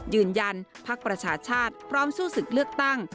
ยืนยันภักดิ์ประชาชาติพร้อมสู้ศึกเลือกตั้ง